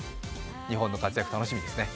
日本の活躍楽しみですね。